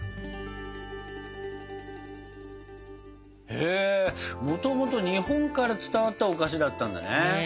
へもともと日本から伝わったお菓子だったんだね。